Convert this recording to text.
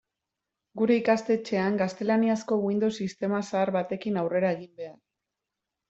Gure ikastetxean gaztelaniazko Windows sistema zahar batekin aurrera egin behar.